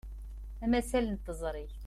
Amasal n teẓrigt.